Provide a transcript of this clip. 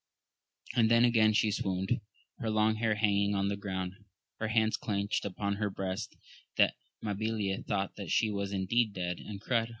and then again she swooned ; her long hair hanging to the ground, her hands clenched upon her breast that Mabilia thought that she was indeed dead, and cried.